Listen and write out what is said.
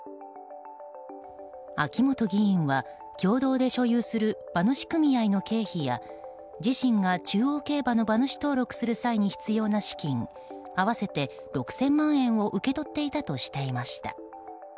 秋本議員は共同で所有する馬主組合の経費や自身が中央競馬の馬主登録をする際に必要な資金合わせて６０００万円を受け取っていたとしていました。